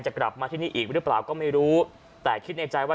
กลับมาที่นี่อีกหรือเปล่าก็ไม่รู้แต่คิดในใจว่า